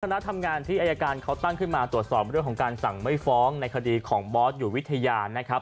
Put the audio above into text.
คณะทำงานที่อายการเขาตั้งขึ้นมาตรวจสอบเรื่องของการสั่งไม่ฟ้องในคดีของบอสอยู่วิทยานะครับ